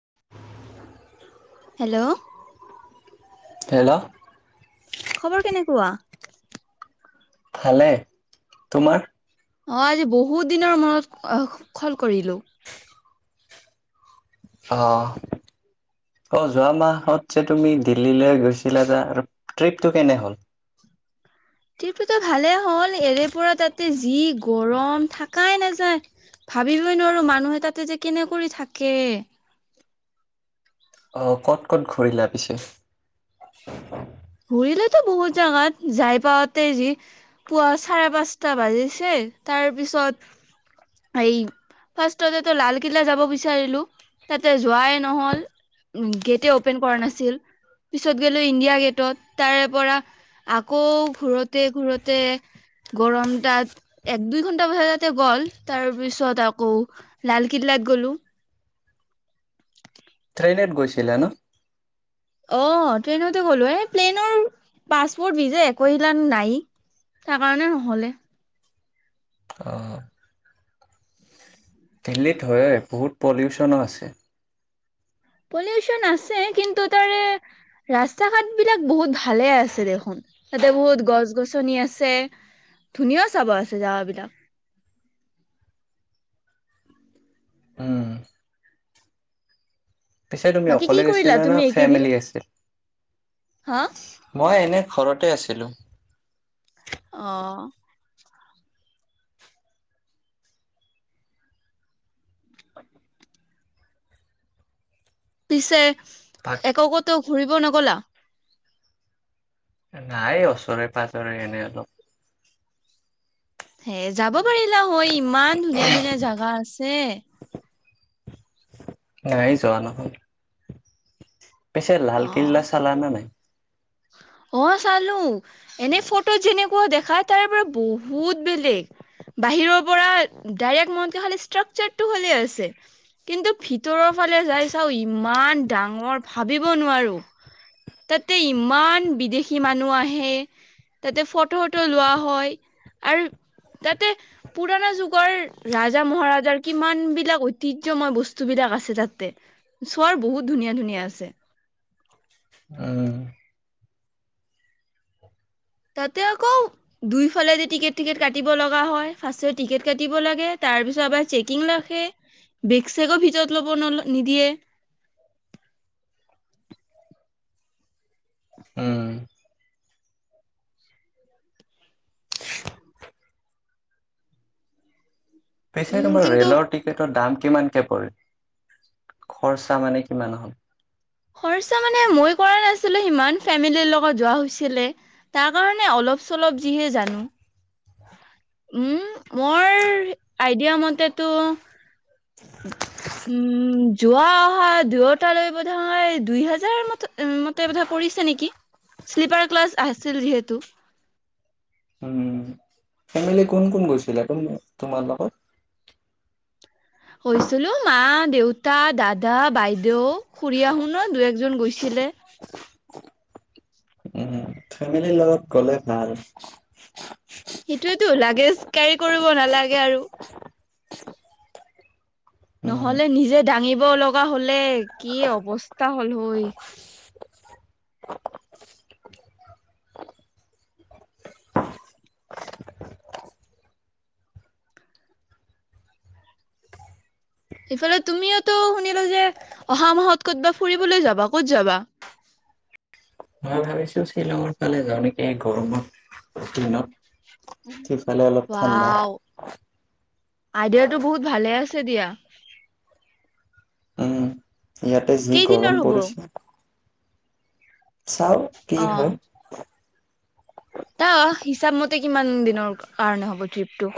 [unintelligible] Hello hello খবৰ কেনেকুৱা ভালে তোমাৰ অ আজি বহুত দিনৰ মনত কল কৰিলো অ অ যোৱা মাহত যে তুমি দিল্লীলৈ গৈছিলা যে ট্ৰিপটো কেনে হ'ল ট্ৰিপ টো ত ভালে হ'ল এৰে পৰা তাতে যি গৰম থাকাই নাযায় ভাবিবই নোৱাৰো মানুহে তাতে যে কেনে কৰি থাকে অহ ক'ত ক'ত ঘূৰিলো পিছে ঘুৰিলেতো বহুত জেগাত যাই পাতে যি পুৱা চাৰে পাঁচটা বাজিছে তাৰ পিছত এই ফাৰ্ষ্টতেতো লালকিল্লা যাব বিচাৰিলো তাতে যোৱাই নহল গেটে অপেন কৰা নাছিল পিছত গলো ইণ্ডিয়া গেটত‌ তাৰে পৰা আকৌ ঘৰতে ঘূৰতে গৰম তাত এক দুই ঘন্টা ব তাতে গ'ল তাৰ পিছত আকৌ লালকিল্লাত গলো ট্ৰেইনত গৈছিলা ন অ ট্ৰেইনতে গ'লো এ প্লেইনৰ পাছপৰ্ট ভিজা একিল নাই তাৰ কাৰণে নহলে‌ অ দিল্লীত হয় বহুত পলিউচনো আছে পলিউচন আছে কিন্তু তাৰে ৰাস্তা ঘাট বিলাক বহুত ভালে আছে দেখোন তাতে বহুত গছ গছনি আছে ধুনীয়া চাব আছে জাগাবলাক উম পিছে তুমি বাকী কি অকলে কৰিলা গৈছিলা না তুমি এইকেইদিন ফেমিলি আছিল‌ হা মই এনে ঘৰতে আছিলোঁ‌ অ‌ পিছে‌ তাক এককতেও ফুৰিব নগলা নাই ওচৰে পাঁজৰে এনেই অলপ হে যাব পাৰিলা হয় ইমান ধুনীয়া ধুনীয়া জাগা আছে নাই যোৱা নহ'ল পেছে অ লালকিল্লা চালা নাই অ চালো এনে ফটো যেনেকুৱা দেখা তাৰ পৰা বহুত বেলেগ বাহিৰৰ পৰা ডাইৰেক্ মন খালে ষ্ট্ৰাকচাৰটো হালে আছে কিন্তু ভিতৰৰ ফালে যাই চাওঁ ইমান ডাঙৰ ভাবিব নোৱাৰো তাতে ইমান বিদেশী মানুহ আহে তাতে ফটো ফটো লোৱা হয় আৰু তাতে পুৰণা যুগৰ ৰাজা মহাৰাজাৰ কিমান বিলাক ঐতিহ্যয়ময় বস্তু বিলাক আছে তাতে সৰ বহুত ধুনীয়া ধুনীয়া আছে উ তাতে আকৌ দুইফালে যে টিকট টিকট কাটিব লগা হয় ফাৰ্ষ টিকেট কাটিব লাগে তাৰ পিছত আবাৰ চেকিং ৰাখে বেক চেকো ভিতৰত লব ন নিদিয়ে উম পিছে উম তোমাৰ কিন্তু ৰেলৰ টিকেটৰ দাম কিমানকে পৰিল খৰচা মানে কিমান হ'ল খৰচা মানে মই কৰা নাছিলো সিমান ফেমিলীৰ লগত যোৱা হৈছিলে তাৰ কাৰণে অলপ চলপ যিহে জানো [unintelligible] উম মোৰ আইডিয়া মতেতো ধন্যবাদ উ যোৱা অহা দুয়োটালৈ বোধা দুই হাজাৰ মতে বধ পৰিছে নেকি শ্লীপাৰ ক্লাছ আছিল যিহেতু উম ফেমিলি কোন কোন গৈছিলা তুম তোমাৰ লগত হৈছিলো মা দেউতা দাদা বাইদেউ খুৰী আহ আহো ন দুই একজন গৈছিলে উম, ফেমিলিৰ লগত গ'লে ভাল সেইটোয়ে টো লাগে কে কৰক ক নালাগে আৰু উম, নহলে নিজে দাঙিব লগা হলে কি অৱস্থা হল হৈ ইফালে তুমিও টো শুনিলো যে অহা মাহত ক'তবা ফুৰিবলৈ যাবা ক'ত যাবা মই ভাবিছো শ্বিলঙৰ ফালে যাওঁ নেকি গৰমত দিনত সেইফালে অলপ ঠাণ্ডা ৱাও আইডিয়াটো বহুত ভালে আছে দিয়া উম, ইয়াতে যি কেইদিনৰ গৰম হ'ব? পৰিছে চাও কি হয় তাত হিচাপ মতে কিমান দিনৰ কাৰণে হ'ব ট্ৰিপটো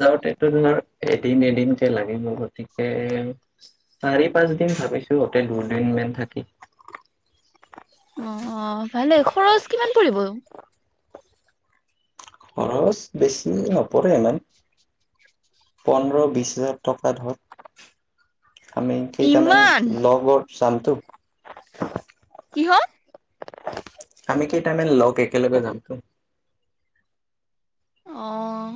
যাওঁতেতো তোমাৰ এদিন এদিনকে লাগিব মোৰ গতিকে চাৰি পাঁচ দিন ভাবিছো তাতে দুদিন মান থাকিম অ অ ভালে খৰচ কিমান পৰিব খৰচ বেছি নপৰে ইমান পোন্ধৰ বিশ হাজাৰ টকা ধৰ আমি কেইটামান ইমান লগত শান্তু কি হল আমি কেইটামান লগ একেলগে যামতো আহ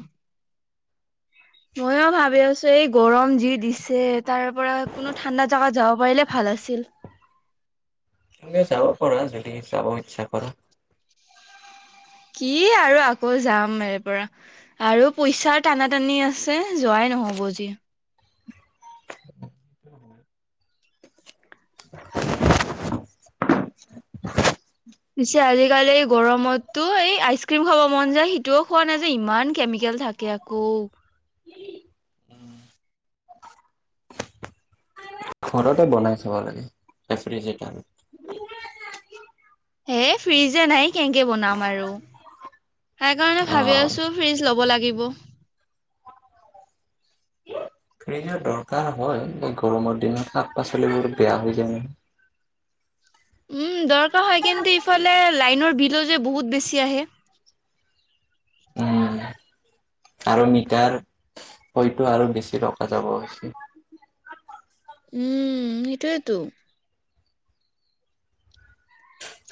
ময়ো ভাবি আছো এই গৰম যি দিছে তাৰ পৰা কোনো ঠাণ্ডা জাগাত যাব পাৰিলে ভাল আছিল যাব পাৰা যদি যাব ইচ্ছা কৰা কি আৰু আকৌ যাম এয়া পৰা আৰু পইচাৰ টানা টানি আছে যোৱাই নহব যি অ পিছে আজিকালি গৰমতটো এই আইচক্ৰিম খাব মন যায় সিটোও খোৱা নাযায় ইমান কেমিকেল থাকে আকৌ ঘৰতে বনাই চাব লাগে ৰেফ্ৰিজেৰেটৰত হে ফ্ৰিজে নাই কেনেকে বনাম আৰু সেই কাৰণে অ ভাবি আছো ফ্ৰিজ লব লাগে লাগিব ফ্ৰিজৰ দৰকাৰ হয় গৰমৰ দিনত শাক পাচলিবোৰ বেয়া হৈ যায় উম দৰকাৰ হয় কিন্তু ইফালে লাইনৰ বিল যে বহুত বেছি আহে উম আৰু মিটাৰ হয়তো আৰু বেছি ৰখা যাব হৈছে উম সেইটোয়েতো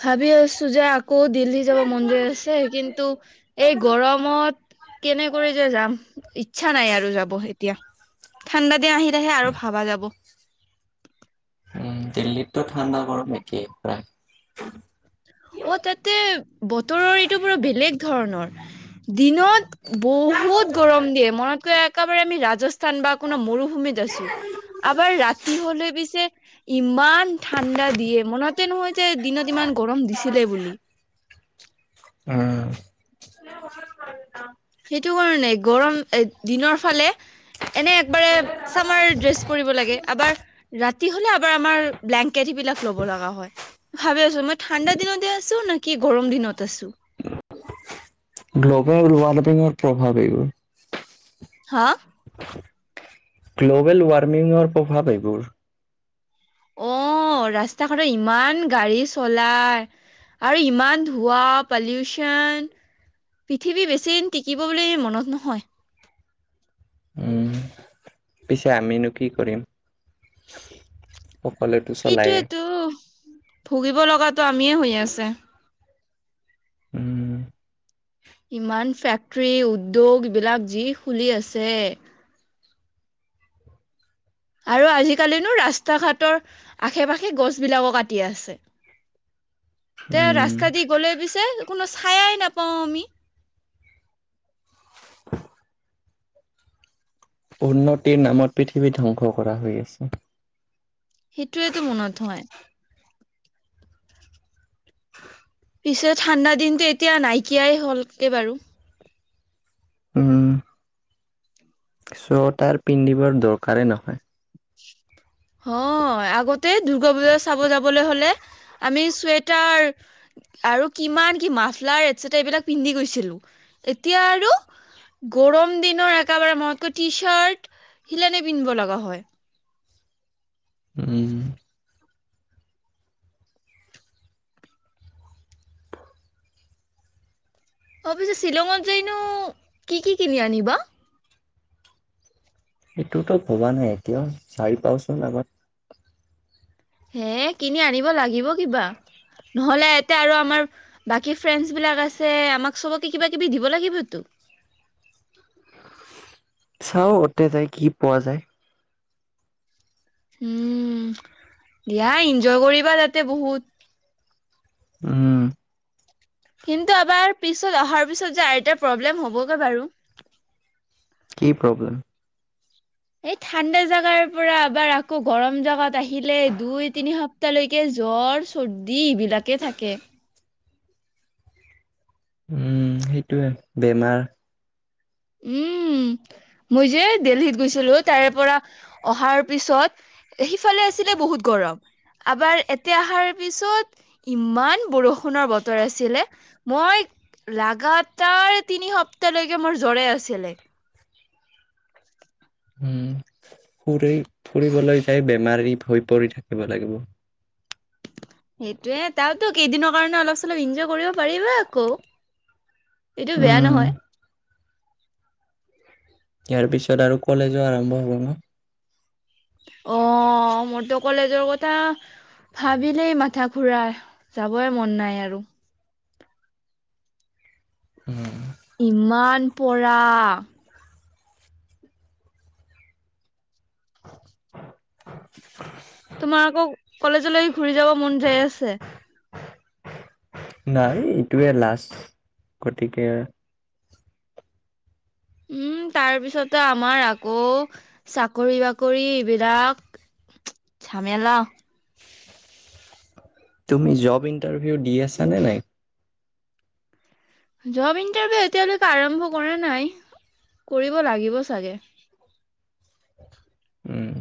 ভাবি আছো যে আকৌ দিল্লী যাব মন যায় আছে কিন্তু এই গৰমত কেনেকৈ যে যাম ইচ্ছা নাই আৰু যাব এতিয়া ঠাণ্ডা দিন আহিলেহে আৰু ভাবা যাব উ দিল্লীতো ঠাণ্ডা গৰম একেই প্ৰায় অ তাতে বতৰৰ এইটো পুৰা বেলেগ ধৰণৰ দিনত বহুত গৰম দিয়ে মনতকৈ এক একেবাৰে আমি ৰাজস্থান বা কোনো মৰুভূমি আছো আমাৰ ৰাতি হলে পিছে ইমান ঠাণ্ডা দিয়ে মনতে নহয় যে দিনত ইমান গৰম দিছে চিলে বুলি উম সেইটো কাৰণে গৰম এ দিনৰ ফালে এনে একবাৰে চামাৰ ড্ৰেছ পৰিব লাগে আবাৰ ৰাতি হলে আবাৰ আমাৰ ব্লেংকেট বিলাক লব লগা হয় ভাবি আছো মই ঠাণ্ডা দিনতে আছো নে কি গৰম দিনত আছো গ্ল'বেল ৱাৰ্মিঙৰ প্ৰভাৱ এইবোৰ হা গ্ল'বেল ৱাৰ্মিঙৰ প্ৰভাৱ এইবোৰ আহ ৰাস্তা ঘাতত ইমান গাড়ী চলাই আৰু ইমান ধোৱা, পলিউচন পৃথিৱী বেছিদিন টিকিব বুলি মনত নহয় উম, পিছে আমিনো কি কৰিম? সকলেতো চলায়ে সেইটোয়েতো ভুগিব লগাত আমিয়ে হৈ আছে উম। ইমান ফেক্টৰী, উদ্যোগ এইবিলাক যি খুলি আছে। আৰু আজিকালিনো ৰাস্তা ঘাটৰ আশে- পাশে গছবিলাকো কাটি আছে। এ উম ৰাস্তা দি গ'লে পিছে কোনো খায়াই নাপাও আমি। উন্নতিৰ নামত পৃথিৱীত ধ্বংস কৰা হৈ আছে। সেইটোৱেতো মনত হয়। পিছে ঠাণ্ডা দিনতটো এতিয়া নাইকিয়াই হ'লকে বাৰু। অ ' চুৱেটাৰ পিন্ধিবৰ দৰকাৰেই নহয়। হয় আগতে দুৰ্গা পূজা চাব যাবলৈ হ'লে আমি চুৱটাৰ আৰু কিমান কি মাফলাৰ এইবিলাক পিন্ধি গৈছিলো এতিয়া আৰু গৰম দিনৰ একবাৰে মৈ টি চাৰ্ট সেইবিলাকে পিন্ধিব লগা হয়। উম, অ' পিছে শ্বিলঙত জাইনো কি কি কিনি আনিবা। এইটোতো ভবা নাই এতিয়াও যায়েই পাওচোন আগত। হে কিনি আনিব লাগিব কিবা নহ'লে এতে আৰু আমাৰ বাকী ফ্ৰেণ্ড বিলাক আছে আমাক চবকে কিবা কিবি দিব লাগিবতো। চাও তাতে যাই কি পোৱা যায়। উম দিয়া ইনজয় কৰিবা তাতে বহুত। অ ' কিন্তু এবাৰ পিছত অহাৰ পিছত এবাৰ প্ৰব্লেম হ'বগে বাৰু। কি প্ৰব্লেম? এই ঠাণ্ডা জাগাৰ পৰা আবাৰ আকৌ গৰম জোগাত আহিলে দুই তিনি সপ্তাহ লৈকে জ্বৰ, চৰ্দি দি এইবিলাকে থাকে। উম, সেইটোৱে বেমাৰ। উম, মই যে দিল্লীত গৈছিলো তাৰে পৰা অহাৰ পিছত সিফালে আছিলে বহুত গৰম আবাৰ এতে অহাৰ পিছত ইমান বৰষুণৰ বতৰ আছিলে মই লাগাতাৰ তিনি সপ্তাহ লৈকে মোৰ জ্বৰ জ্বৰে আছিলে। উম ফুৰি ফুৰিবলৈ যাই বেমাৰী হৈ পৰি থাকিব লাগিব। সেইটোয়ে তাততো কেইদিনৰ কাৰণে অলপ চলপ এনজয় কৰিব পাৰিবা আকৌ। এইটো বেয়া উম নহয়। ইয়াৰ পিছত আৰু কলেজো আৰম্ভ হব ন। অ, মোৰ টো কলেজৰ কথা ভাবিলেই মাথা ঘূৰাই যাবই মন নাই আৰু। উম, ইমান পৰা। [inaudible] তোমাৰ আকৌ কলেজলৈ ঘূৰি যাব মন যাই আছে। নাই এইটোয়ে লাষ্ট গতিকে উম, তাৰপিছতে আমাৰ আকৌ চাকৰি বাকৰি এইবিলাক যামেলা। তুমি জব ইণ্টাৰভিউ দি আছা নে নাই? জব ইণ্টাৰভিউ এতিয়ালৈকে আৰম্ভ কৰা নাই কৰিব লাগিব চাগে। উম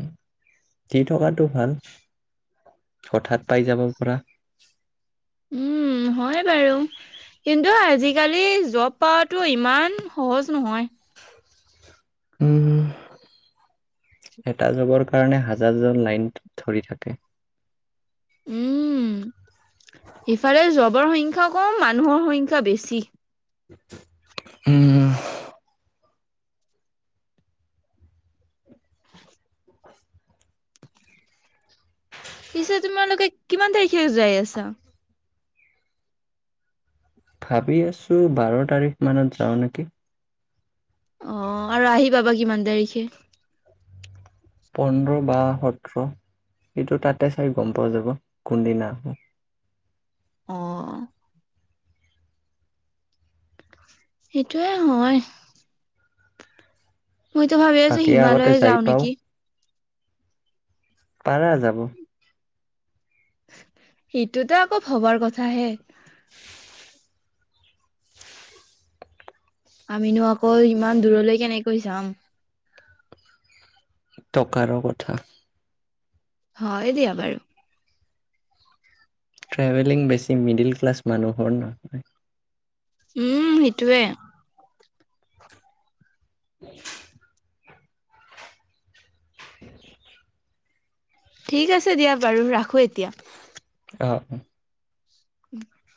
দি থকাতটো ভাল হঠাৎ পাই যাব পাৰা। উম, হয় বাৰু কিন্তু আজিকালি জব পাৱাটো ইমান সহজ নহয়। এটা জবৰ কাৰণে হাজাৰজন লাইন ধৰি থাকে। উম সিফালে জবৰ সংখ্যা কম মানুহৰ সংখ্যা বেছি উম পিছে তোমালোকে কিমান তাৰিখে যাই আছা? ভাবি আছোঁ‌। বাৰ তাৰিখ মানত যাঁ‌ও নেকি? অ' আৰু আহি পাবা কিমান তাৰিখে? পোন্ধৰ বা সোতৰ এইটো তাতে চাই গম পোৱা যাব কোনদিনা হ'ব? অ' সেইটোয়ে হয় মইতো ভাবি আছোঁ‌ যে বাকী আগতে হিমালয় যাই যাওঁ পাও নেকি! পাৰা যাব সেইটোতো আকৌ ভবাৰ কথাহে। আমিনো আকৌ ইমান দূৰলৈ কেনেকৈ যাম? টকাৰো কথা। হয় দিয়া বাৰু। ট্ৰেভেলিং বেছি মিডিল ক্লাছ মানুহৰ নহয় উম সেইটোৱে। [unintelligible] [unintelligible] ঠিক আছে দিয়া বাৰু ৰাখো এতিয়া অ' অ' উম [inaudible]